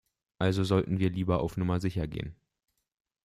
Also sollten wir lieber auf Nummer sicher gehen.